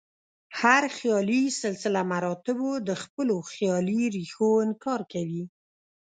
هر خیالي سلسله مراتبو د خپلو خیالي ریښو انکار کوي.